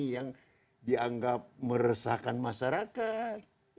yang dianggap meresahkan masyarakat